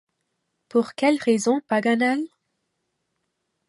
Pour quelle raison, Paganel ?